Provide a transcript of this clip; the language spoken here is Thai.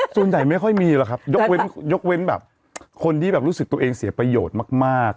ส่วนใหญ่ไม่ค่อยมีหรอกครับยกเว้นแบบคนที่รู้สึกตัวเองเสียประโยชน์มาก